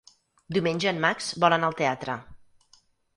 Diumenge en Max vol anar al teatre.